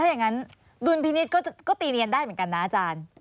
อย่างนั้นดุลพินิษฐ์ก็ตีเนียนได้เหมือนกันนะอาจารย์